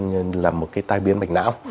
như là một cái tai biến bệnh não